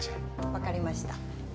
わかりました。